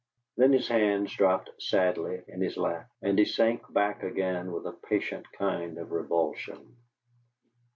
Then his hands dropped sadly in his lap, and he sank back again with a patient kind of revulsion.